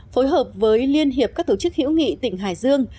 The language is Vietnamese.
phối hợp với liên hiệp các tổ chức hữu nghị tỉnh hải dương